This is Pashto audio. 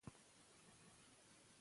دوی له ویش څخه په تالان خوښ دي.